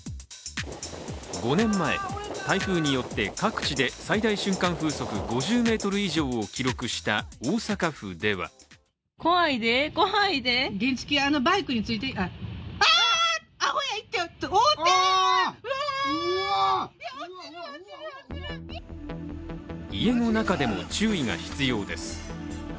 ５年前、台風によって最大瞬間風速５０メートル以上を記録した大阪府では家の中でも注意が必要です。